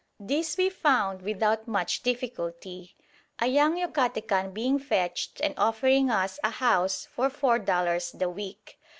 These we found without much difficulty, a young Yucatecan being fetched and offering us a house for four dollars the week.